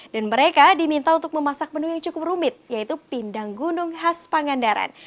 dan mereka diminta untuk memasak menu yang cukup rumit yaitu pindang gunung khas pangandaran